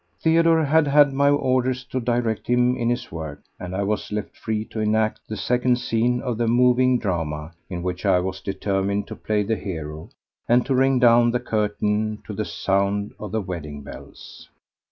Theodore had had my orders to direct him in his work, and I was left free to enact the second scene of the moving drama in which I was determined to play the hero and to ring down the curtain to the sound of the wedding bells.